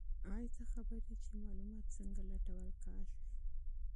ایا ته پوهېږې چې معلومات څنګه لټول کیږي؟